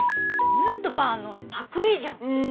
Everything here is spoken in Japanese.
ヌートバーのパクりじゃん。